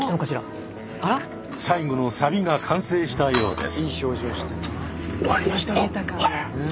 最後のサビが完成したようです。